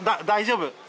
大丈夫？